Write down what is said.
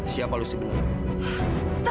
siapa lo sebenernya